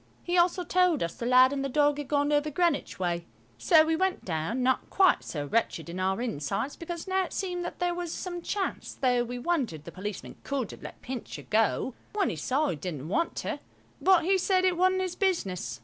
He also told us the lad and the dog had gone over Greenwich way. So we went down, not quite so wretched in our insides, because now it seemed that there was some chance, though we wondered the policeman could have let Pincher go when he saw he didn't want to, but he said it wasn't his business.